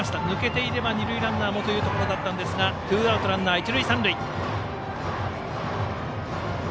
抜けていれば二塁ランナーもというところだったんですがツーアウトランナー、一塁三塁。